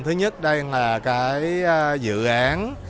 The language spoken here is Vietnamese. thứ nhất đây là dự án